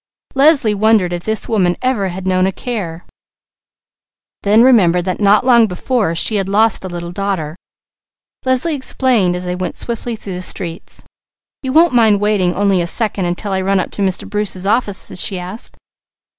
Leslie wondered if this woman ever had known a care, then remembered that not long before she had lost a little daughter. Leslie explained as they went swiftly through the streets. "You won't mind waiting only a second until I run up to Mr. Bruce's offices?" she asked.